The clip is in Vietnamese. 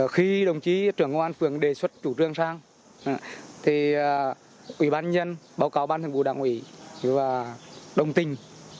khi đồng chí trưởng công an phường đề xuất chủ trương sang thì ủy ban nhân báo cáo ban thường vụ đảng ủy và đồng tình